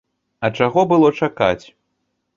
А чаго было чакаць?